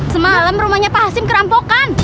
semalam rumahnya pak hasim kerampokan